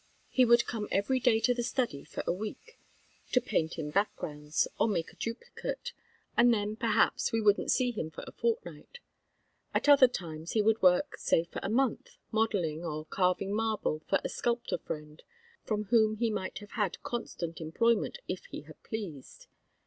He would come every day to the study for a week to paint in backgrounds, or make a duplicate; and then, perhaps, we wouldn't see him for a fortnight. At other times he would work, say for a month, modelling, or carving marble, for a sculptor friend, from whom he might have had constant employment if he had pleased.